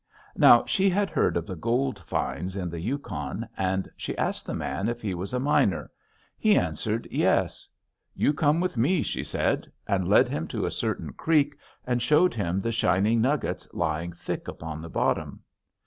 Now she had heard of the gold finds on the Yukon and she asked the man if he was a miner. He answered, 'Yes.' 'You come with me,' she said, and led him to a certain creek and showed him the shining nuggets lying thick upon the bottom.